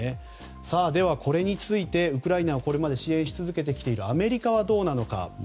では、これについてウクライナをこれまで支援し続けているアメリカはどうなのか。